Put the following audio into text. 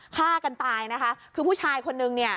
ฆ่ากันตายนะคะคือผู้ชายคนนึงเนี่ย